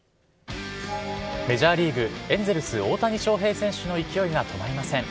メジャーリーグ・エンゼルス、大谷翔平選手の勢いが止まりません。